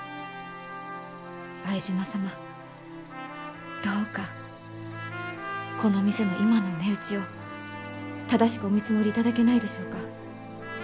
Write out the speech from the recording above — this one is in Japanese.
相島様どうかこの店の今の値打ちを正しくお見積もりいただけないでしょうか？